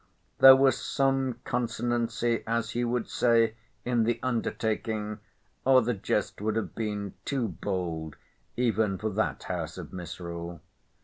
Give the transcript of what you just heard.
There was some consonancy (as he would say) in the undertaking, or the jest would have been too bold even for that house of misrule.